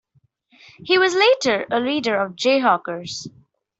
He was later a leader of Jayhawkers.